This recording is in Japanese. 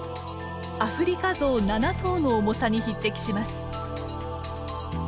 アフリカゾウ７頭の重さに匹敵します。